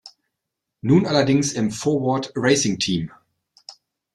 Nun allerdings im Forward-Racing Team.